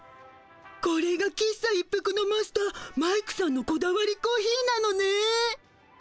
これが喫茶一服のマスターマイクさんのこだわりコーヒーなのね。